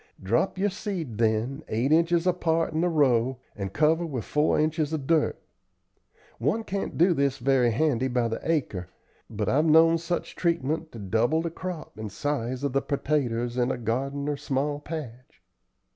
Drop your seed then, eight inches apart in the row, and cover with four inches of dirt. One can't do this very handy by the acre, but I've known such treatment to double the crop and size of the pertaters in a garden or small patch."